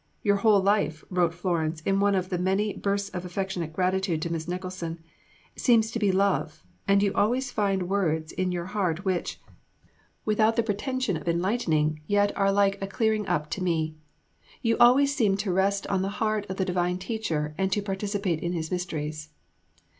"Your whole life," wrote Florence in one of many bursts of affectionate gratitude to Miss Nicholson, "seems to be love, and you always find words in your heart which, without the pretension of enlightening, yet are like a clearing up to me. You always seem to rest on the heart of the divine Teacher, and to participate in His mysteries."